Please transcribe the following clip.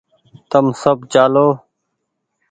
تم سب چآلو